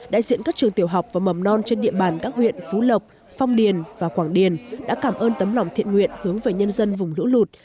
đại diện các trường tiểu học và mầm non trên địa bàn các huyện phú lộc phong điền và quảng điền đã cảm ơn tấm lòng thiện nguyện hướng về nhân dân vùng lũ lụt